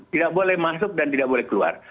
tidak boleh masuk dan tidak boleh keluar